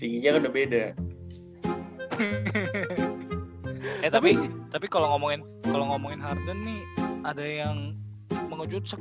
tingginya udah beda eh tapi tapi kalau ngomongin kalau ngomongin harden nih ada yang mengejut